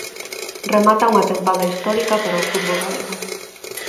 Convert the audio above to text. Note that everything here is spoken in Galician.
Remata unha tempada histórica para o fútbol galego.